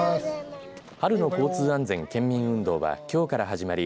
春の交通安全県民運動はきょうから始まり